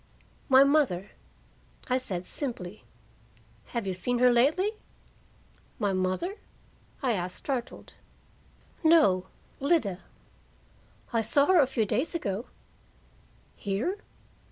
"My mother," I said simply. "Have you seen her lately?" "My mother?" I asked, startled. "No, Lida." "I saw her a few days ago." "Here?"